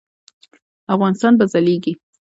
افغانستان به ځلیږي